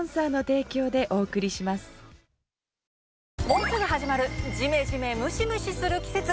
もうすぐ始まるジメジメムシムシする季節。